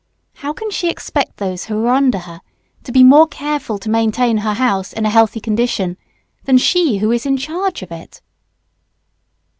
How can she expect those who are under her to be more careful to maintain her house in a healthy condition than she who is in charge of it?